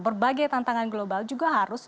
berbagai tantangan global juga harus